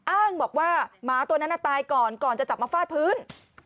อ้างบอกว่าหมาตัวนั้นตายก่อนก่อนจะจับมาฟาดพื้น